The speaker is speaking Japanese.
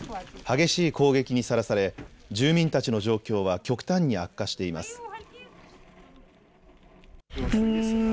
激しい攻撃にさらされ住民たちの状況は極端に悪化しています。